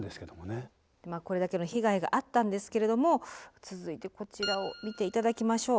これだけの被害があったんですけれども続いてこちらを見て頂きましょう。